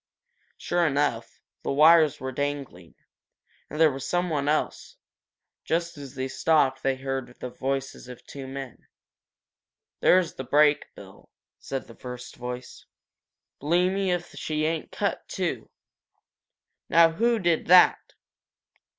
Sure enough, the wires were dangling. And there was something else. Just as they stopped they heard the voices of two men. "There's the break, Bill," said the first voice. "Bli'me, if she ain't cut, too! Now who did that?